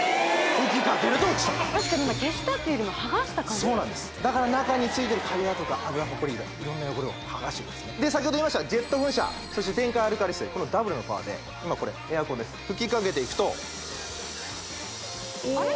吹きかけると落ちる確かに今そうなんですだから中についてるカビだとか油ホコリ色んな汚れをはがしてくんすねで先ほど言いましたがジェット噴射そして電解アルカリ水このダブルのパワーで今これエアコンです吹きかけていくとあれ？